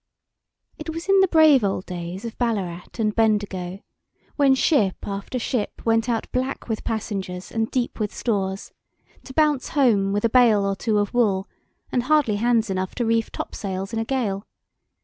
It was in the brave old days of Ballarat and Bendigo, when ship after ship went out black with passengers and deep with stores, to bounce home with a bale or two of wool, and hardly hands enough to reef topsails in a gale.